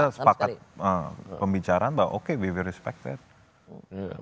kita sepakat pembicaraan bahwa oke we respect that